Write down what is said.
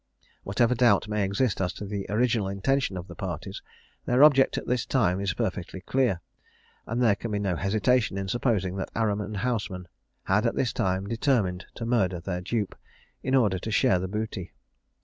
Whatever doubt may exist as to the original intention of the parties, their object at this time is perfectly clear, and there can be no hesitation in supposing that Aram and Houseman had at this time determined to murder their dupe, in order to share the booty.